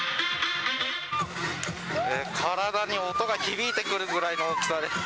体に音が響いてくるぐらいの大きさです。